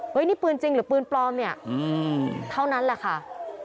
นี่ปืนจริงหรือปืนปลอมเนี่ยเท่านั้นแหละค่ะ